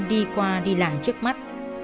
đi qua đi lại trước mắt